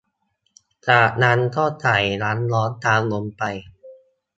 จากนั้นก็ใส่น้ำร้อนตามลงไป